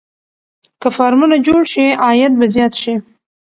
که فارمونه جوړ شي عاید به زیات شي.